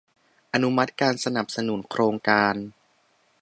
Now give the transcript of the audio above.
อนุมัติการสนับสนุนโครงการ